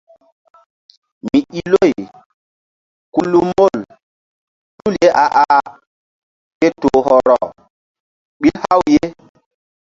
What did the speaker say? Mi i loy ku lu mol tul ye a ah ke toh hɔrɔ ɓil haw ye.